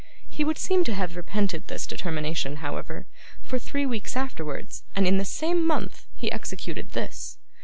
He would seem to have repented this determination, however, for three weeks afterwards, and in the same month, he executed this.